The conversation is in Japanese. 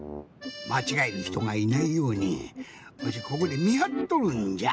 まちがえるひとがいないようにわしここでみはっとるんじゃ。